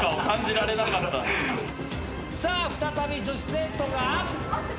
さあ再び女子生徒が。